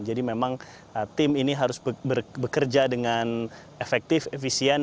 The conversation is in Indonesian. jadi memang tim ini harus bekerja dengan efektif efisien